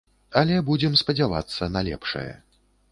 Але будзем спадзявацца на лепшае.